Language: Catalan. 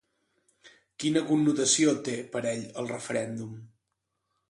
Quina connotació té, per ell, el referèndum?